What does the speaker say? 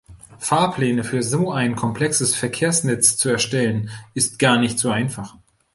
Fahrpläne für so ein komplexes Verkehrsnetz zu erstellen, ist gar nicht so einfach.